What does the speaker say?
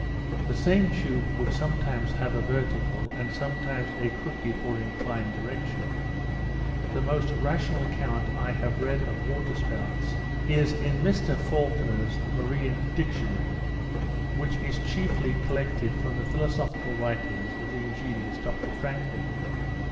The same tube would sometimes have a vertical, and sometimes a crooked or inclined direction. The most rational account I have read of water spouts, is in Mr Falconer's Marine Dictionary, which is chiefly collected from the philosophical writings of the ingenious Dr Franklin.